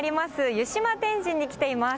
湯島天神に来ています。